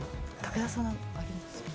武田さん、あります？